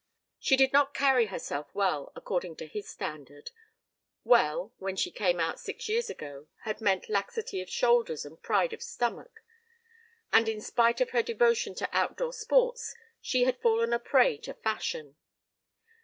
She did not carry herself well according to his standard; "well" when she came out six years ago had meant laxity of shoulders and pride of stomach, and in spite of her devotion to outdoor sports she had fallen a prey to fashion.